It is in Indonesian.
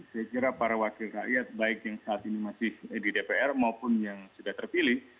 saya kira para wakil rakyat baik yang saat ini masih di dpr maupun yang sudah terpilih